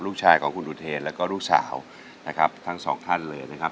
ลูกชายของคุณอุเทนแล้วก็ลูกสาวนะครับทั้งสองท่านเลยนะครับ